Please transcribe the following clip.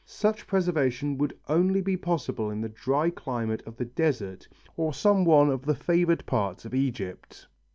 Such preservation would only be possible in the dry climate of the desert or some one of the favoured parts of Egypt.